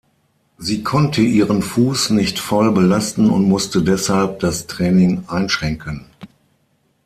Sie konnte ihren Fuss nicht voll belasten und musste deshalb das Training einschränken.